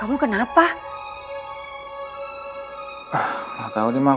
ini klip penelitian